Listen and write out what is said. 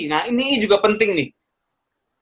nah ini juga penting nih